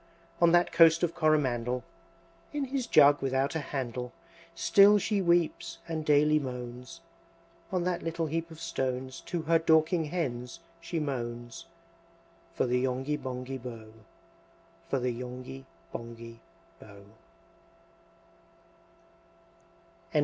On that Coast of Coromandel, In his jug without a handle Still she weeps, and daily moans; On that little heap of stones To her Dorking Hens she moans, For the Yonghy Bonghy Bò, For the Yonghy Bonghy Bò.